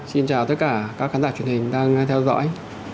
xin chào tất cả các khán giả truyền hình đang theo dõi